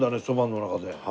そばの中で。